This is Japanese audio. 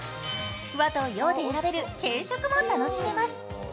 和と洋で選べる軽食も楽しめます。